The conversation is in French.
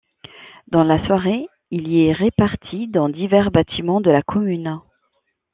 Dans la soirée, il y est réparti dans divers bâtiments de la commune.